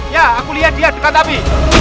ya aku lihat dia dekat api